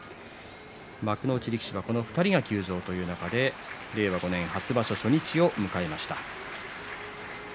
幕内力士はこの２人が休場という中で令和５年初場所初日を迎えました。